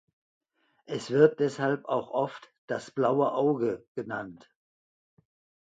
Es wird deshalb auch oft das „Blaue Auge“ genannt.